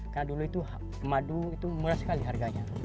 karena dulu itu madu itu murah sekali harganya